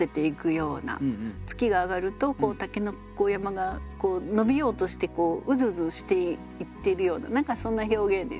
月が上がると筍山が伸びようとしてうずうずしていってるような何かそんな表現ですね。